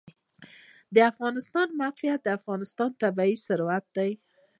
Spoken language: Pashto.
د افغانستان موقعیت د افغانستان طبعي ثروت دی.